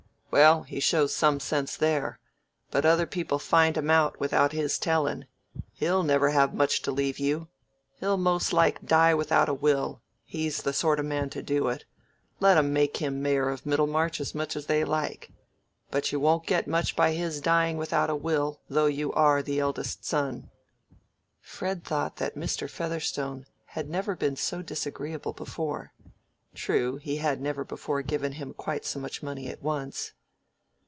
"Well, he shows some sense there. But other people find 'em out without his telling. He'll never have much to leave you: he'll most like die without a will—he's the sort of man to do it—let 'em make him mayor of Middlemarch as much as they like. But you won't get much by his dying without a will, though you are the eldest son." Fred thought that Mr. Featherstone had never been so disagreeable before. True, he had never before given him quite so much money at once.